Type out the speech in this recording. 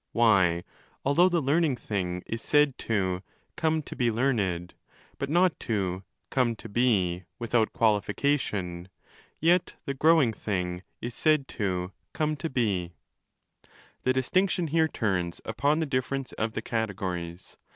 why, although the learning thing is said to 'come to be learned' but not to "come to be' without qualification, yet the growing thing is said to 'come to be'. Wie The distinction here turns upon the difference of the Categories.